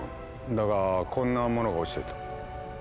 だがこんなものが落ちていた。